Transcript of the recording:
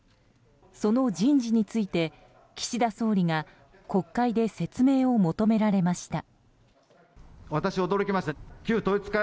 その人事について岸田総理が国会で説明を求められました。